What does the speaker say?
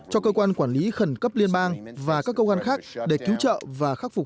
cho cơ quan quản lý khẩn cấp liên bang và các cơ quan khác để cứu trợ và khắc phục